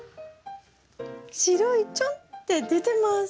白いちょんって出てます。